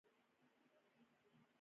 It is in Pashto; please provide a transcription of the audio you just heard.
آیا ایران ډیر سرحدي ساتونکي نلري؟